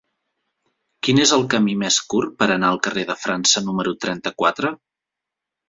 Quin és el camí més curt per anar al carrer de França número trenta-quatre?